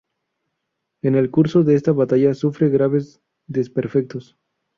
En el curso de esta batalla sufre graves desperfectos.